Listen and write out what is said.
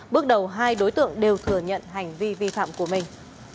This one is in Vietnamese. bước đầu hai đối tượng đều thừa nhận hành vi vi phạm của mình